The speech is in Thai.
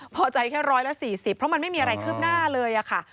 พอใจแค่ร้อยและสี่สิบเพราะมันไม่มีอะไรคืบหน้าเลยอ่ะค่ะ